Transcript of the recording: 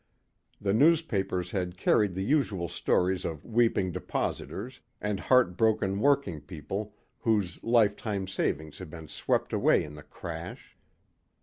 The newspapers had carried the usual stories of weeping depositors and heartbroken working people whose life time savings had been swept away in the crash.